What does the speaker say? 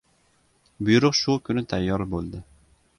Buyruq shu kuni tayyor bo‘ldi.